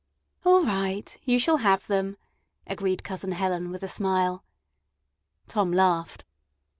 "All right, you shall have them," agreed Cousin Helen with a smile. Tom laughed.